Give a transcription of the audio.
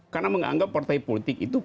karena menganggap partai politik itu